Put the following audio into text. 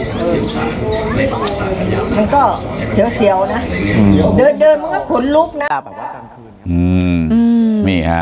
มันก็เสียวนะเดินมึงก็ขนลุกนะ